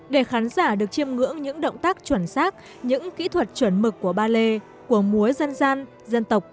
để khán giả được chiêm ngưỡng những động tác chuẩn xác những kỹ thuật chuẩn mực của ba lê của múa dân gian dân tộc